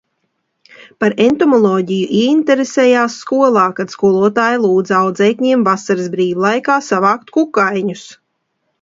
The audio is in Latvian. Par entomoloģiju ieinteresējās skolā, kad skolotāja lūdza audzēkņiem vasaras brīvlaikā savākt kukaiņus.